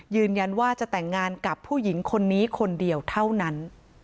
ยืนยันว่าจะแต่งงานกับผู้หญิงคนนี้คนเดียวเท่านั้น